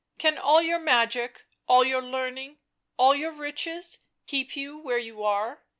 " Can all your magic, all your learning, all your riches, keep you where you are?